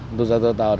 untuk satu tahun